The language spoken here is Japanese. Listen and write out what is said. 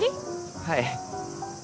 はい。